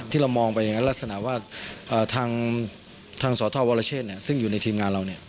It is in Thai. ที่เรามองไปอย่างนั้นลักษณะว่าทางสธวรเชษซึ่งอยู่ในทีมงานเรา